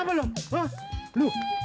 panggung kenapa lo